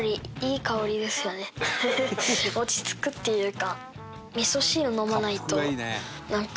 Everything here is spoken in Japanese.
フフッ落ち着くっていうか。